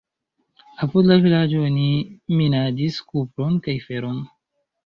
Apud la vilaĝo oni minadis kupron kaj feron.